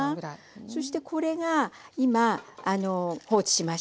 そしてこれが今放置しました。